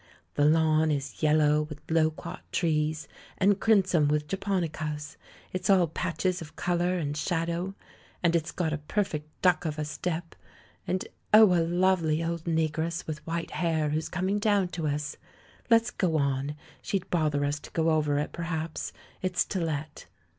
The lawn is yellow with loquat trees, and crim son with japonicas. It's all patches of colour, and shadow. And it's got a perfect duck of a THE LAURELS AND THE LADY 145 stoep, and Oh, a lovely old negi'ess with white hair, who's coming down to us! Let's go on — she'd bother us to go over it, perhaps — it's to let."